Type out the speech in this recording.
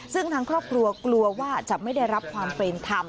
ซึ่งทางครอบครัวกลัวว่าจะไม่ได้รับความเป็นธรรม